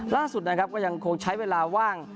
ล่าสุดนะครับก็ยังคงใช้เวลาว่าง